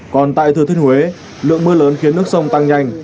còn tại thừa thiên huế lượng mưa lớn khiến nước sông tăng nhanh